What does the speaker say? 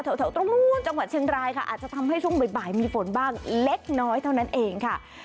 แถวตรงนู้นจังหวัดเชียงรายค่ะอาจจะทำให้ช่วงบ่ายมีฝนบ้างเล็กน้อยเท่านั้นเองค่ะ